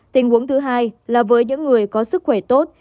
tình huống thứ hai là với những người có sức khỏe tốt